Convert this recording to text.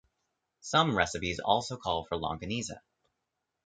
Some recipes also call for longaniza.